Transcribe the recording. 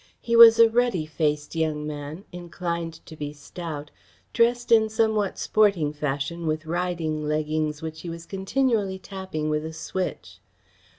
He was a ruddy faced young man, inclined to be stout, dressed in somewhat sporting fashion, with riding leggings which he was continually tapping with a switch.